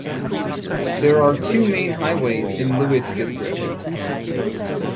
There are two main highways in Lewis District.